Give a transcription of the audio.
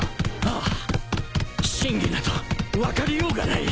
ああ真偽など分かりようがない。